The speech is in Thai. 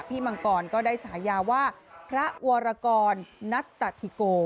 มังกรก็ได้ฉายาว่าพระวรกรนัตตธิโก